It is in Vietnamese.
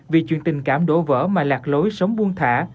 vì chuyện tình cảm đổ vỡ mà lạc lối sống buông thả